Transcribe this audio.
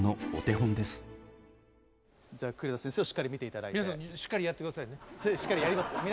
じゃあ栗田先生をしっかり見ていただいて。